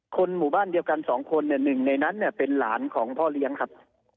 คนหมู่บ้านเดียวกันสองคนเนี่ยหนึ่งในนั้นเนี่ยเป็นหลานของพ่อเลี้ยงครับ